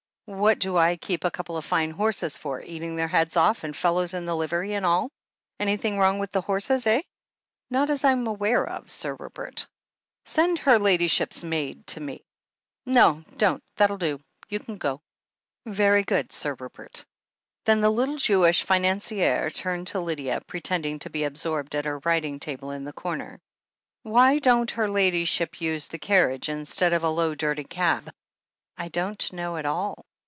What do I keep a couple of fine horses for, eating their heads off, and fellows in livery and all? Anything wrong with the horses, eh?" "Not as Fm aware of. Sir Rupert." "Send her Ladyship's maid to me. No— don't — that'll do. You can go." "Very good. Sir Rupert." Then the little Jewish financier turned to Lydia, pre tending to be absorbed at her writing fable in the corner. "Why don't her Ladyship use the carriage, instead of a low, dirty cab?" "I don't know at all.